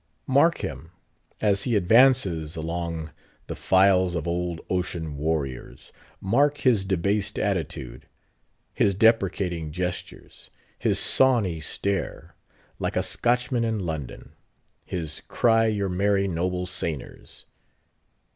Mark him, as he advances along the files of old ocean warriors; mark his debased attitude, his deprecating gestures, his Sawney stare, like a Scotchman in London; his—"_cry your merry, noble seignors!